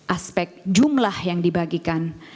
aspek jumlah yang dibagikan